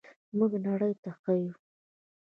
موږ نړۍ ته ښیو.